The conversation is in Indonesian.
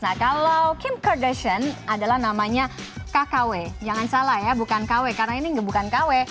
nah kalau kim kardashion adalah namanya kkw jangan salah ya bukan kw karena ini bukan kw